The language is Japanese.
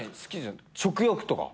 食欲とか。